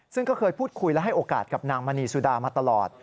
ซึ่งก็เคยพูดคุยและให้โอกาสกับนางมณีสุดามาตลอด